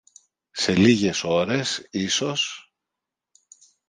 σε λίγες ώρες ίσως